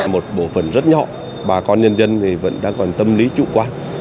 một bộ phần rất nhỏ bà con nhân dân vẫn đang còn tâm lý trụ quan